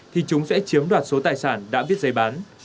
thì chúng sẽ chiếm đoạt số tài sản đã viết giấy bán